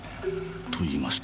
と言いますと？